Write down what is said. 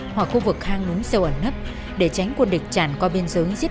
hoặc khu vực hang núm sâu ẩn nấp để tránh quân địch chản qua bên dưới giết lại bà con